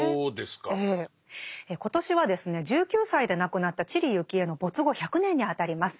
今年はですね１９歳で亡くなった知里幸恵の没後１００年にあたります。